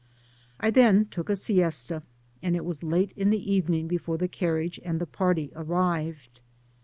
I th^n took a nesta, and it was late in the evening befinre die carriage and the party arrived.